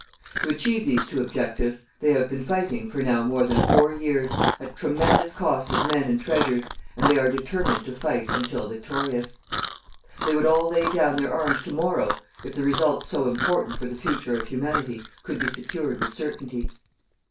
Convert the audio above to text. To achieve these two objectives, they have been fighting for now more than four years, at tremendous cost of men and treasures, and they are determined to fight until victorious. They would all lay down their arms to morrow, if the results so important for the future of Humanity could be secured with certainty.